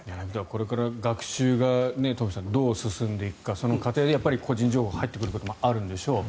これから学習が東輝さん、どう進んでいくかその過程で個人情報が入ってくることもあるんでしょう。